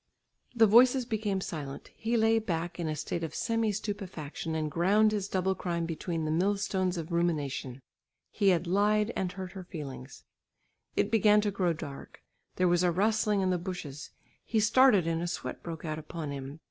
The voices became silent. He lay back in a state of semi stupefaction and ground his double crime between the mill stones of rumination. He had lied and hurt her feelings. It began to grow dark. There was a rustling in the bushes; he started and a sweat broke out upon him.